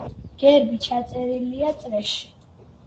გერბი ჩაწერილია წრეში.